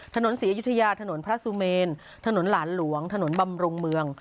ศรีอยุธยาถนนพระสุเมนถนนหลานหลวงถนนบำรุงเมือง